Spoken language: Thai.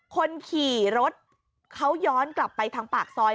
คนขี่รถเขาย้อนกลับไปทางปากซอย